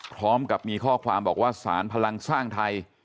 พร้อมกับมีข้อความบอกว่าสารพลังสร้างไทย